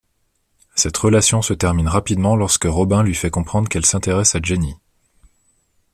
Cette relation se termine rapidement lorsque Robin lui fait comprendre qu’elle s’intéresse à Jenny.